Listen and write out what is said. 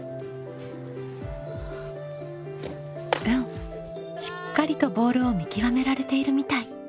うんしっかりとボールを見極められているみたい。